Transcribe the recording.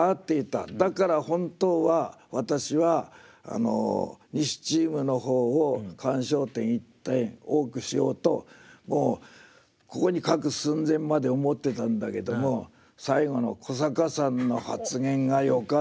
だから本当は私は西チームの方を鑑賞点１点多くしようともうここに書く寸前まで思ってたんだけども最後の古坂さんの発言がよかったですね。